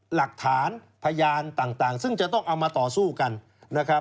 หลักฐานพยานต่างซึ่งจะต้องเอามาต่อสู้กันนะครับ